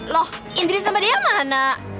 loh indri sama dia mana